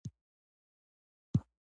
ښوونځی کې زده کړې ته مینه پیدا کېږي